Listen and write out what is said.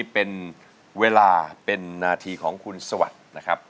สวัสดีค่ะ